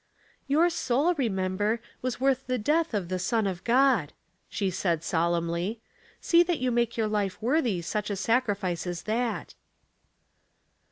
" Your soul, remember, was worth the death of the Son of God," she said, solemnly. " See that you make your life worthy such a sacrifice as that."